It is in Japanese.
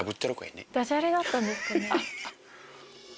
ダジャレだったんですかね。